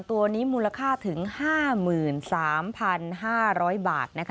ตัวนี้มูลค่าถึง๕๓๕๐๐บาทนะคะ